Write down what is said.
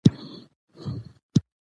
د مرګ څخه یې اطلاع حاصل کړه